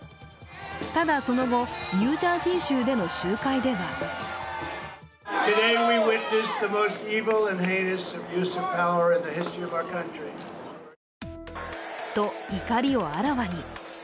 ただ、その後、ニュージャージー州での集会ではと怒りをあらわに。